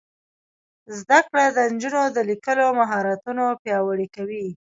زده کړه د نجونو د لیکلو مهارتونه پیاوړي کوي.